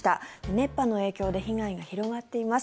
熱波の影響で被害が広がっています。